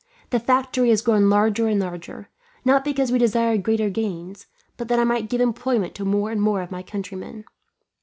The factory has grown larger and larger; not because we desired greater gains, but that I might give employment to more and more of my countrymen.